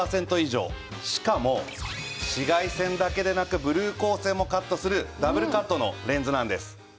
しかも紫外線だけでなくブルー光線もカットするダブルカットのレンズなんです。